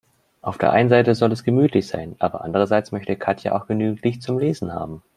Auf der einen Seite soll es gemütlich sein, aber andererseits möchte Katja auch genügend Licht zum Lesen haben.